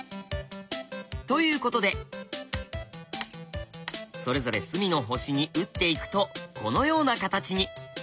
ということでそれぞれ隅の星に打っていくとこのような形に。